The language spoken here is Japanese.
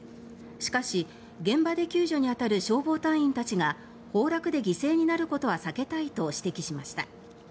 しかし、現場で救助に当たる消防隊員たちが崩落で犠牲になることは避けたいと指摘しました。